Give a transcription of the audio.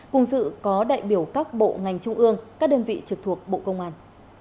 cùng dự có đại biểu các bộ ngành trung ương các đơn vị trực thuộc bộ công an